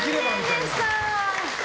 残念でした。